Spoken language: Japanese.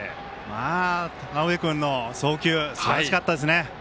田上君の送球すばらしかったですね。